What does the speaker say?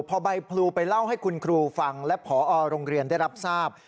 พอใบพลูไปเล่าให้คุณครูฟังและผอโรงเรียนได้รับทราบ